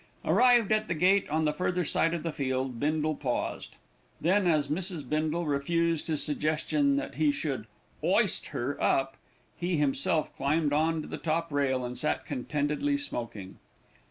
Arrived at the gate on the further side of the field, Bindle paused. Then, as Mrs. Bindle refused his suggestion that he should "'oist" her up, he himself climbed on to the top rail and sat contentedly smoking.